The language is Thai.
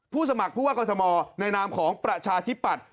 สมัครผู้ว่ากรทมในนามของประชาธิปัตย